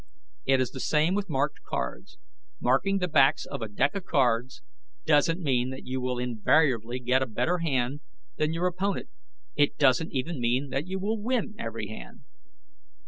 "It is the same with marked cards. Marking the backs of a deck of cards doesn't mean that you will invariably get a better hand than your opponent; it doesn't even mean that you will win every hand.